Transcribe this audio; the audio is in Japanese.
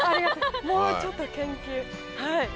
もうちょっと研究はい。